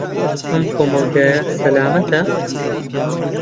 ئەم کۆمەڵگەیە سەلامەتە؟